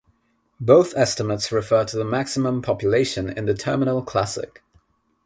Both estimates refer to the maximum population in the Terminal Classic.